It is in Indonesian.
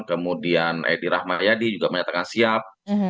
kemudian edi rahmayadi juga menyatakan siap